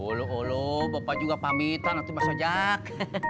olah olah bapak juga pamitan nanti bapak jak